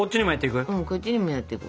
こっちにもやっていく？